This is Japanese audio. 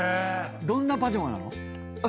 どんなパジャマなの？